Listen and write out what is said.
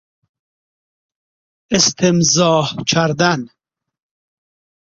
استمزاج کردن